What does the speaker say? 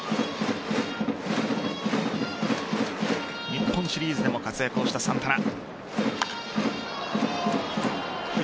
日本シリーズでも活躍したサンタナ。